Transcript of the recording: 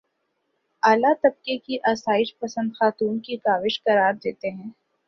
اعلیٰ طبقے کی آسائش پسند خاتون کی کاوش قرار دیتے ہیں